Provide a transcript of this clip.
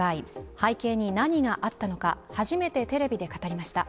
背景に何があったのか、初めてテレビで語りました。